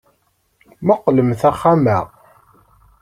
Mmuqqlemt axxam-a.